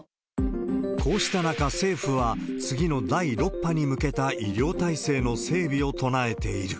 こうした中、政府は次の第６波に向けた医療体制の整備を唱えている。